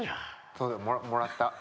そうだよもらった。